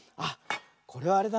これはあれだね。